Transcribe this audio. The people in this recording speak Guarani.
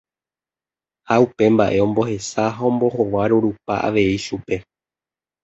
Ha upe mba'e ombohesa ha ombohovarurupa avei chupe.